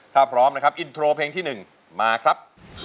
ถ้าพร้อมนะครับอินโทรเพลงที่๑มาครับ